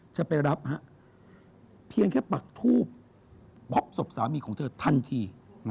จะไปรับเพียงแค่ตระกูลครึงจบสามีของที่ทันที